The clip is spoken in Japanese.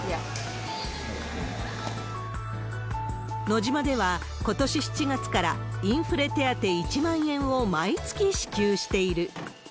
ノジマでは、ことし７月からインフレ手当１万円を毎月支給している。